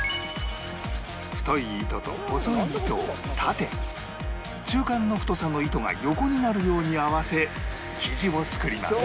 太い糸と細い糸を縦中間の太さの糸が横になるように合わせ生地を作ります